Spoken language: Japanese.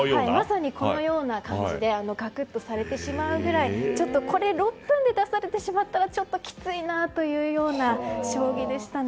まさに、このような感じでガクッとされてしまうくらい６分で出されてしまったらきついなというような将棋でしたね。